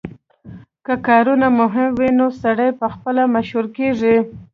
که کارونه مهم وي نو سړی پخپله مشهور کیږي